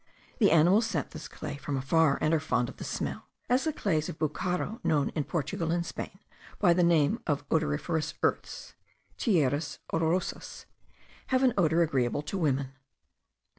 The animals scent this clay from afar, and are fond of the smell; as the clays of bucaro, known in Portugal and Spain by the name of odoriferous earths (tierras olorosas), have an odour agreeable to women.